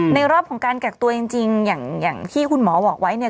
รอบของการกักตัวจริงอย่างที่คุณหมอบอกไว้เนี่ย